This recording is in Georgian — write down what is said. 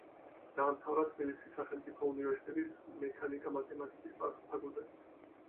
დაამთავრა თბილისის სახელმწიფო უნივერსიტეტის მექანიკა-მათემატიკის ფაკულტეტი.